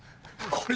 これ。